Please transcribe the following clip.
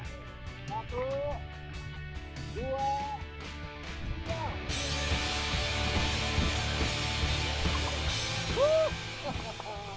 satu dua tiga